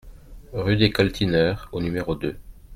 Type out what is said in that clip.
Rue des Coltineurs au numéro deux